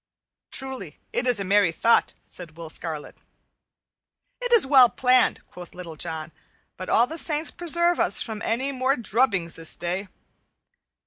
"Truly, it is a merry thought," said Will Scarlet. "It is well planned," quoth Little John, "but all the saints preserve us from any more drubbings this day!